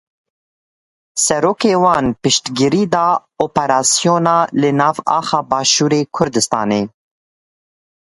Serokê wan piştgirî da operasyona li nav axa Başûrê Kurdistanê.